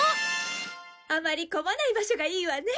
あまり混まない場所がいいわね。